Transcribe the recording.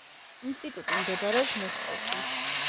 ინსტიტუტი მდებარეობს მოსკოვში.